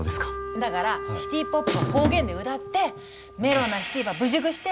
んだがらシティ・ポップば方言でうだってメローなシティばぶじゅぐして。